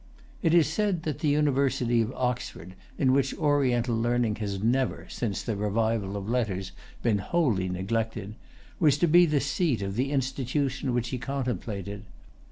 It is said that the University of Oxford, in which Oriental learning had never, since the revival of letters, been wholly neglected, was to be the seat of the institution which he contemplated.